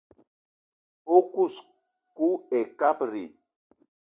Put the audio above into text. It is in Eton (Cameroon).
O kous kou ayi kabdi.